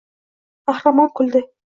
Qahramon kuldi.